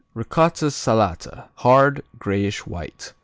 Ricotta Salata Hard; grayish white.